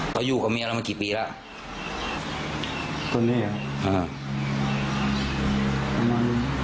ก็อยู่กับเมียแล้วเมื่อกี่ปีแล้วตอนนี้มั้ยเออ